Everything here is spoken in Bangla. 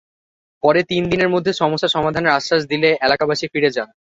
পরে তিন দিনের মধ্যে সমস্যা সমাধানের আশ্বাস দিলে এলাকাবাসী ফিরে যান।